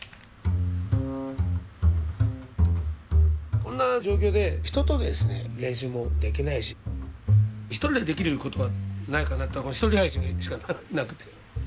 こんな状況で人とですね練習もできないし「ひとり」でできることはないかなって「ひとり配信」しかなくて。